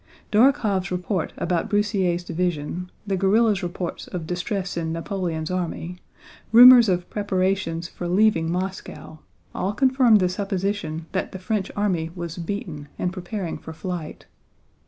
Dórokhov's report about Broussier's division, the guerrillas' reports of distress in Napoleon's army, rumors of preparations for leaving Moscow, all confirmed the supposition that the French army was beaten and preparing for flight.